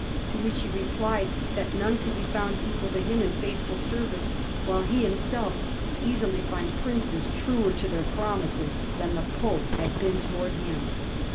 To which he replied that none could be found equal to him in faithful service, while he himself would easily find Princes truer to their promises than the Pope had been towards him.